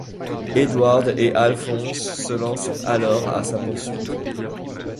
Edward et Alphonse se lancent alors à sa poursuite.